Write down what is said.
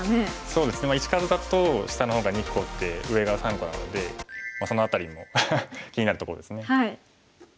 そうですね石数だと下の方が２個で上が３個なのでその辺りも気になるところですね。